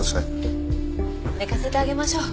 寝かせてあげましょう。